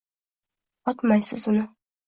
Otmaysiz uni.